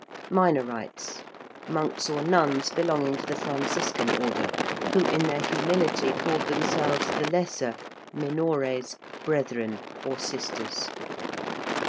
~Minorites~: monks or nuns belonging to the Franciscan Order, who in their humility called themselves the 'lesser' (minores) brethren, or sisters.